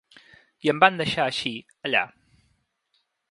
I em van deixar així, allà.